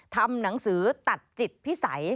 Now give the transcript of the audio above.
ทำหนังสือตัดจิตพิสัย